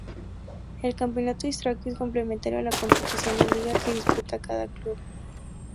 El campeonato austriaco es complementario a la competición de liga que disputa cada club.